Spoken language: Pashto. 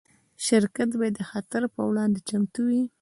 شرکت باید د خطر پر وړاندې چمتو وي.